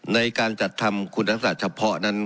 ในการจัดทำคุณธรรมชาติเฉพาะนั้น